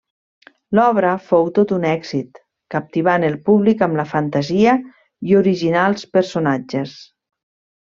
L'obra fou tot un èxit, captivant el públic amb la fantasia i originals personatges.